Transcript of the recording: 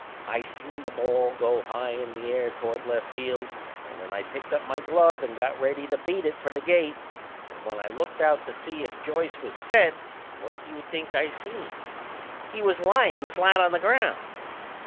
I seen the ball go high in the air toward left field, and then I picked up my glove and got ready to beat it for the gate. But when I looked out to see if Joyce was set, what do you think I seen? He was lyin' flat on the ground!